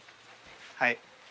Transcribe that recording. はい。